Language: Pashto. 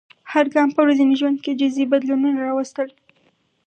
هر ګام په ورځني ژوند کې جزیي بدلونونه راوستل.